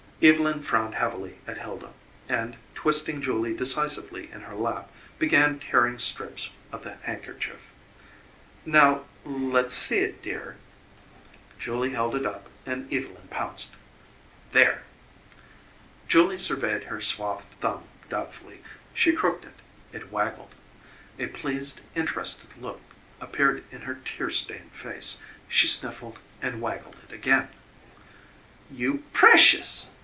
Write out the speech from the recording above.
Evylyn frowned heavily at Hilda, and twisting Julie decisively in her lap, began tearing strips of the handkerchief. "Now let's see it, dear." Julie held it up and Evelyn pounced. "There!" Julie surveyed her swathed thumb doubtfully. She crooked it; it waggled. A pleased, interested look appeared in her tear stained face. She sniffled and waggled it again. "You PRECIOUS!"